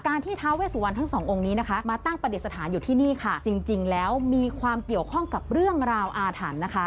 ที่ท้าเวสุวรรณทั้งสององค์นี้นะคะมาตั้งประดิษฐานอยู่ที่นี่ค่ะจริงจริงแล้วมีความเกี่ยวข้องกับเรื่องราวอาถรรพ์นะคะ